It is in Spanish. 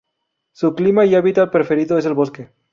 Su clima y hábitat preferido es el bosque.